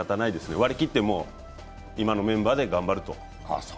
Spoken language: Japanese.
割りきって今のメンバーで頑張ると。